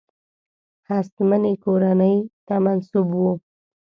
هستمنې کورنۍ ته منسوب وو.